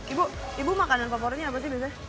ibu ibu makanan favoritnya apa sih biasanya